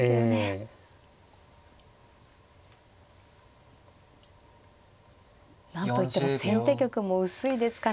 ええ。何と言っても先手玉も薄いですから。